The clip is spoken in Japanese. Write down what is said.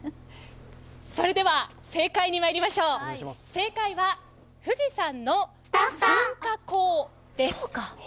それでは、正解にまいりましょう正解は、富士山の噴火口です。